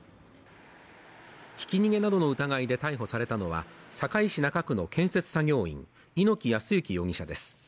ひき逃げなどの疑いで逮捕されたのは、堺市中区の建設作業員、猪木康之容疑者です。